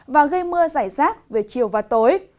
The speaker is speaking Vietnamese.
và gây mưa rải rác về chiều và tối